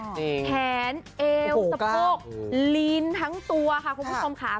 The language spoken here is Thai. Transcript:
แขนเอวสะโพกลีนทั้งตัวค่ะคุณผู้ชมค่ะ